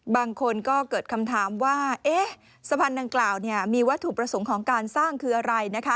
บางคนก็เกิดคำถามว่าสะพานดังกล่าวมีวัตถุประสงค์ของการสร้างคืออะไร